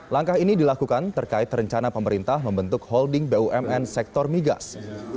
langkah ini dilakukan terkait rencana pemerintah membentuk holding bumn sektor migas